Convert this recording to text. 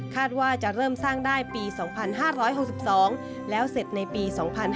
ว่าจะเริ่มสร้างได้ปี๒๕๖๒แล้วเสร็จในปี๒๕๕๙